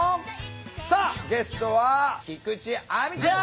さあゲストは菊地亜美ちゃん！